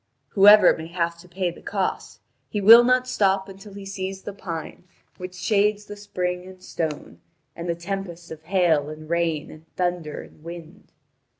Whoever may have to pay the cost, he will not stop until he sees the pine which shades the spring and stone, and the tempest of hail and rain and thunder and wind.